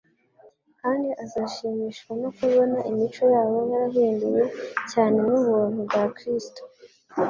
kandi azashimishwa no kubona imico yabo yarahinduwe cyane n'ubuntu bwa Kristo